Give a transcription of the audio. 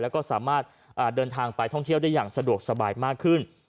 แล้วก็สามารถเดินทางไปท่องเที่ยวได้อย่างสะดวกสบายมากขึ้น